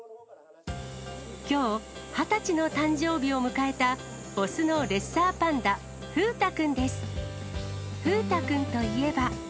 きょう、２０歳の誕生日を迎えた雄のレッサーパンダ、風太くんです。